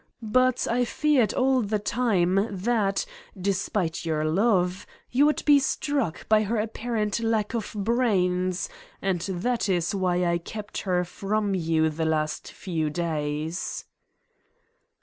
But I feared all the time that, despite your love, you would be struck by her apparent lack of brains and that is why I kept her from you the last few days."